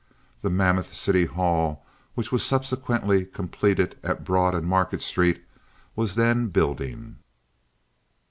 The mammoth city hall which was subsequently completed at Broad and Market Streets was then building.